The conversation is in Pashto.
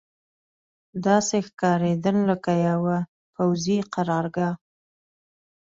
داسې ښکارېدل لکه یوه پوځي قرارګاه.